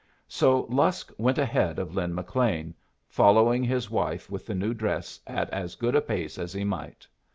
So Lusk went ahead of Lin McLean, following his wife with the new dress at as good a pace as he might.